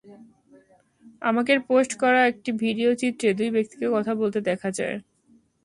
আমাকের post করা একটি video চিত্রে দুই ব্যক্তিকে কথা বলতে দেখা যায়।